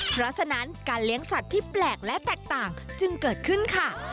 เพราะฉะนั้นการเลี้ยงสัตว์ที่แปลกและแตกต่างจึงเกิดขึ้นค่ะ